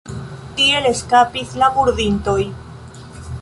Tiel eskapis la murdintoj.